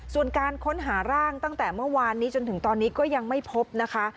ส่วนการค้นหาร่างตั้งแต่เมื่อวานนี้จนถึงตอนนี้ก็ยังไม่พบนะคะ